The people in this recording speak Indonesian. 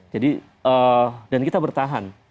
jadi dan kita bertahan